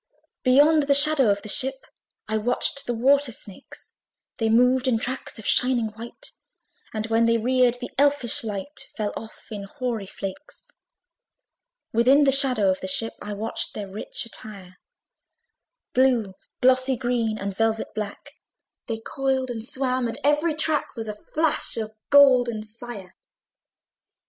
Beyond the shadow of the ship, I watched the water snakes: They moved in tracks of shining white, And when they reared, the elfish light Fell off in hoary flakes. Within the shadow of the ship I watched their rich attire: Blue, glossy green, and velvet black, They coiled and swam; and every track Was a flash of golden fire.